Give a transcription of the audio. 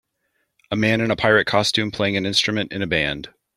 A man in a pirate costume playing an instrument in a band.